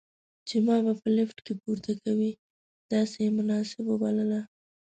چې ما به په لفټ کې پورته کوي، داسې یې مناسب وبلله.